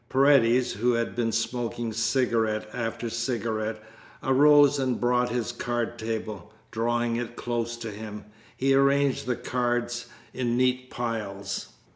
Paredes, who had been smoking cigarette after cigarette, arose and brought his card table. Drawing it close to him, he arranged the cards in neat piles.